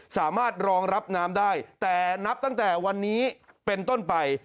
สามารถรองรับน้ำได้แต่นับตั้งแต่วันนี้เป็นต้นไป